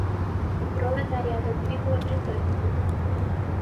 O proletariado agrícola britânico